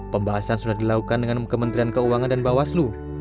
pembahasan sudah dilakukan dengan kementerian keuangan dan bawaslu